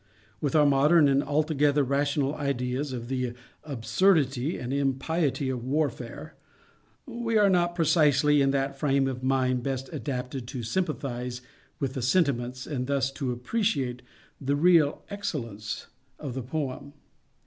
With our modern and altogether rational ideas of the absurdity and impiety of warfare, we are not precisely in that frame of mind best adapted to sympathize with the sentiments, and thus to appreciate the real excellence of the poem.